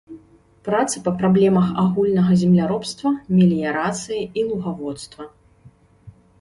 Працы па праблемах агульнага земляробства, меліярацыі і лугаводства.